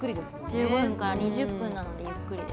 １５２０分なのでゆっくりですね。